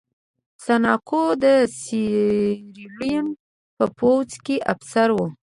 سانکو د سیریلیون په پوځ کې افسر و.